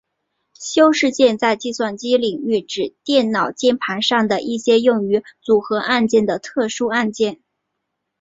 修饰键在计算机领域指电脑键盘上的一些用于组合按键的特殊按键。